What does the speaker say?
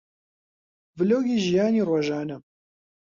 ڤڵۆگی ژیانی ڕۆژانەم